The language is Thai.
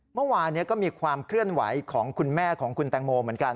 เมื่อวานก็มีความเคลื่อนไหวของคุณแม่ของคุณแตงโมเหมือนกัน